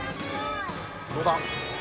どうだ。